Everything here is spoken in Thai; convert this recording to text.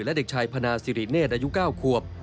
และเด็กชายพนาสิริเนธอายุ๙ขวบ